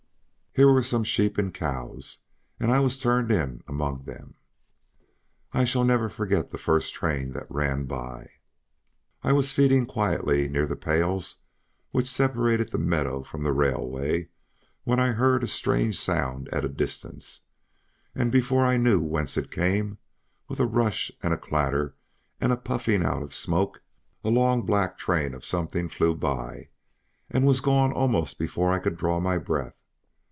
Here were some sheep and cows, and I was turned in among them. I shall never forget the first train that ran by. I was feeding quietly near the pales which separated the meadow from the railway, when I heard a strange sound at a distance, and before I knew whence it came with a rush and a clatter, and a puffing out of smoke a long black train of something flew by, and was gone almost before I could draw my breath.